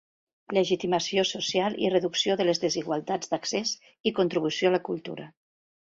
Legitimació social i reducció de les desigualtats d'accés i contribució a la cultura.